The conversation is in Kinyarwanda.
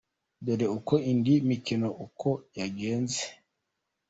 Dore uko indi mikino uko yangenze:.